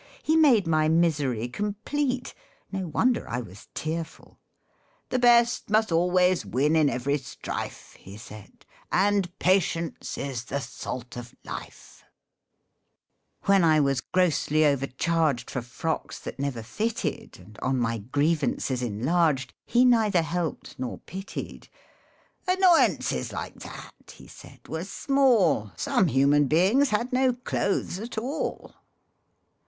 He made my misery complete ; No wonder I was tearful. " The best must always win in every strife," He said " and patience is the salt of life." 85 MEN I MIGHT HAVE MARRIED When I was grossly overcharged For frocks that never fitted, And on my grievances enlarged, He neither helped nor pitied. " Annoyances like that," he said, " were small Some human beings had no clothes at all."